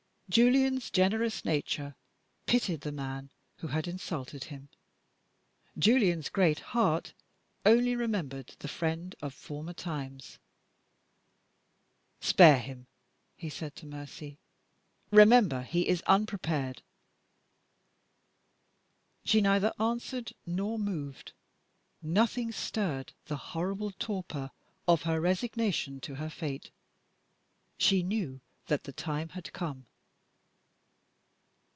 Julian's generous nature pitied the man who had insulted him. Julian's great heart only remembered the friend of former times. "Spare him!" he said to Mercy. "Remember he is unprepared." She neither answered nor moved. Nothing stirred the horrible torpor of her resignation to her fate. She knew that the time had come.